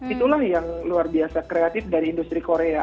itulah yang luar biasa kreatif dari industri korea